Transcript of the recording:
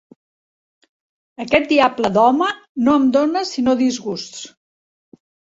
Aquest diable d'home no em dona sinó disgusts!